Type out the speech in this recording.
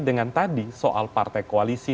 dengan tadi soal partai koalisi